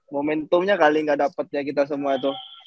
momentumnya kali gak dapetnya kita semua tuh